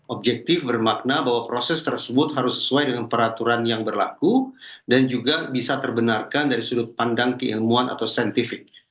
objektif bermakna bahwa proses tersebut harus sesuai dengan peraturan yang berlaku dan juga bisa terbenarkan dari sudut pandang keilmuan atau saintifik